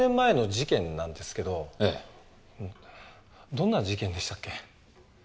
どんな事件でしたっけ？